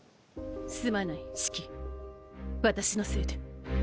すまないシキ私のせいで。